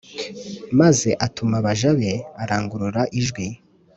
Maze atuma abaja be Arangurura ijwi